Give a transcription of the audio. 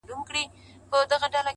• گرانه شاعره لږ څه يخ دى كنه ـ